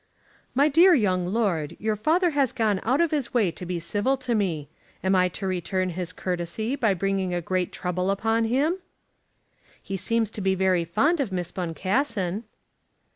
"My dear young lord, your father has gone out of his way to be civil to me. Am I to return his courtesy by bringing a great trouble upon him?" "He seems to be very fond of Miss Boncassen."